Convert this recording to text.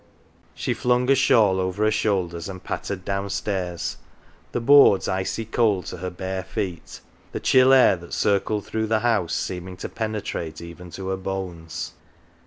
She flung a shawl over her shoulders and pattered downstairs, the boards icy cold to her bare feet, the chill air that circled through' the house, seeming to penetrate even to her bones.